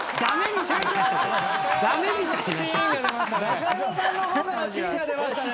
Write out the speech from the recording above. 「中山さんの方からチンが出ましたね」